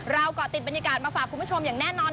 เกาะติดบรรยากาศมาฝากคุณผู้ชมอย่างแน่นอน